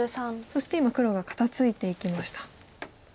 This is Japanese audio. そして今黒が肩ツイていきました。